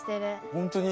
本当に？